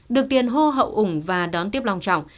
được tiền hô hậu ủng và đón tiếp lòng trọng